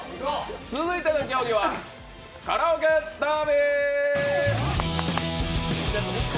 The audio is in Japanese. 続いての競技はカラオケダービー！